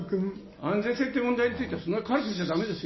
安全性って問題について、そんな軽く見ちゃだめですよ。